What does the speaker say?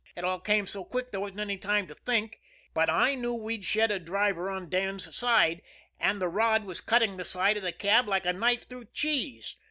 It all came so quick there wasn't time to think, but I knew we'd shed a driver on Dan's side, and the rod was cutting the side of the cab like a knife through cheese.